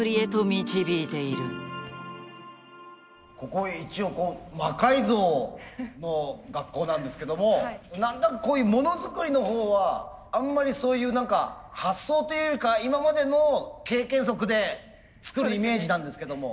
ここ一応魔改造の学校なんですけども何となくこういうものづくりのほうはあんまりそういう何か発想というよりか今までの経験則で作るイメージなんですけども。